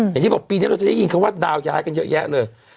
อย่างที่บอกปีนี้เราจะได้ยินคำว่าดาวย้ายกันเยอะแยะเลย